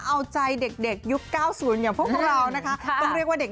เอาใจเด็กยุค๙๐กับพวกเรามีเรียกว่าเด็ก